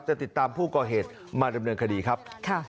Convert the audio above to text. จะติดตามผู้ก่อเหตุมาดำเนินคดีครับ